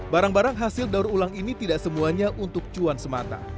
barang barang hasil daur ulang ini tidak semuanya untuk cuan semata